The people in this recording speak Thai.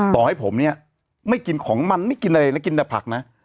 ต่อให้ผมเนี่ยไม่กินของมันไม่กินอะไรแล้วกินแต่ผักนะ